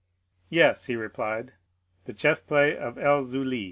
*^Yes," he replied, ^*the chess play of El Zuli."